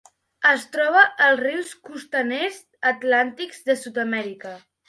Es troba als rius costaners atlàntics de Sud-amèrica.